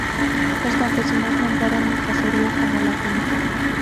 Los campesinos nombraron el caserío como la finca.